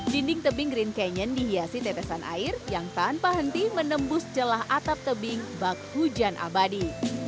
dinding tebing green canyon dihiasi tetesan air yang tanpa henti menembus celah atap tebing bak hujan abadi